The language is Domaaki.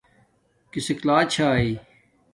کسک لا چھاݵ